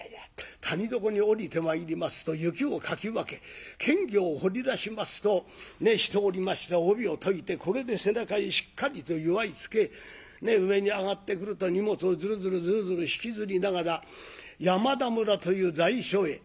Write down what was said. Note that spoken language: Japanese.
谷底に下りて参りますと雪をかき分け検校を掘り出しますとしておりました帯を解いてこれで背中にしっかりと結わい付け上にあがってくると荷物をズルズルズルズル引きずりながら山田村という在所へ。